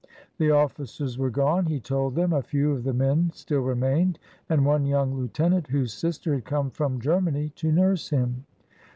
The officers were gone, he told them; a few of the men still remained, and one young lieutenant, whose sister had come from Germany to nurse him.